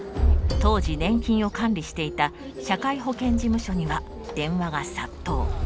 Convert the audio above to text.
当時年金を管理していた社会保険事務所には電話が殺到。